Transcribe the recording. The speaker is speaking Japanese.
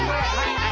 はい！